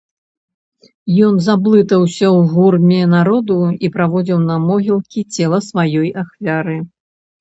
Ён заблытаўся ў гурме народу і праводзіў на могілкі цела сваёй ахвяры.